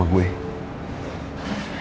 aku kurang hem